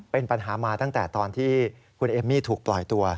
เป็นปัญหามาตั้งแต่ตอนที่คุณเอมมี่ถูกปล่อยตัว